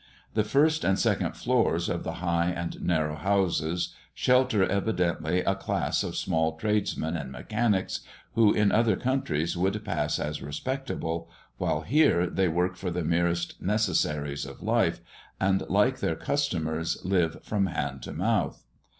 The first and second floors of the high and narrow houses, shelter evidently a class of small tradesmen and mechanics, who in other countries would pass as "respectable," while here they work for the merest necessaries of life, and, like their customers, live from hand to mouth.